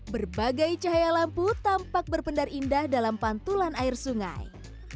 berbagai cahaya lampu tampak berpendar indah dalam pantulan air sungai